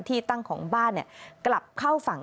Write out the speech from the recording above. ที่ตั้งของบ้านกลับเข้าฝั่ง